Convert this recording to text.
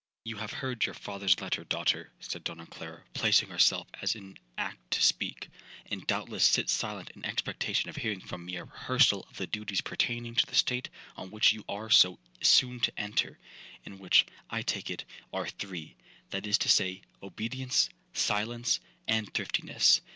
'You have heard your father's letter, daughter,' said Donna Clara, placing herself as in act to speak, 'and doubtless sit silent in expectation of hearing from me a rehearsal of the duties pertaining to the state on which you are so soon to enter, and which, I take it, are three; that is to say, obedience, silence, and thriftiness.